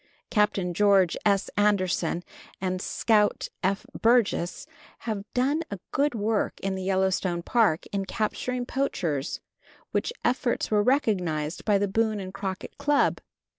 Captain George S. Anderson and Scout F. Burgess have done a good work in the Yellowstone Park in capturing poachers, which efforts were recognized by the Boone and Crockett Club.